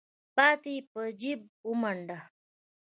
پاتې يې په جېب ومنډه.